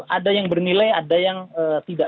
ada yang bernilai ada yang tidak